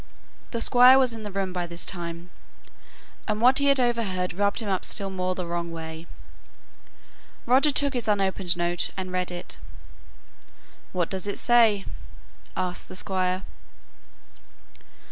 The Squire was in the room by this time, and what he had overheard rubbed him up still more the wrong way. Roger took his unopened note and read it. "What does he say?" asked the Squire.